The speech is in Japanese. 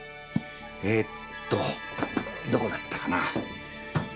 えっと、どこだったかな？